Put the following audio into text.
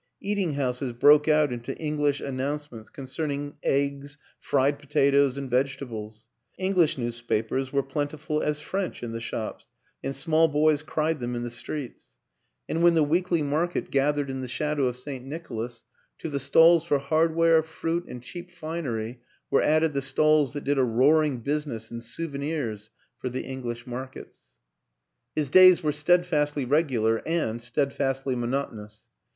Eating houses broke out into English announcements con cerning eggs, fried potatoes, and vegetables; English newspapers were plentiful as French in the shops and small boys cried them in the streets; and when the weekly market gathered in the WILLIAM AN ENGLISHMAN 249 shadow of St. Nicholas, to the stalls for hard ware, fruit and cheap finery were added the stalls that did a roaring business in " souvenirs " for the English markets. His days were steadfastly regular and stead fastly monotonous.